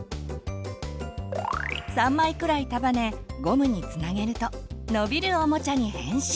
３枚くらい束ねゴムにつなげると伸びるおもちゃに変身！